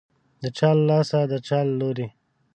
د چا له لاسه، د چا له لوري